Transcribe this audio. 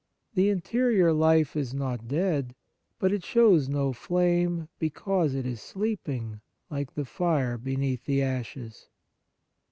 The interior life is not dead, but it shows no flame because it is sleeping like the fire beneath the ashes.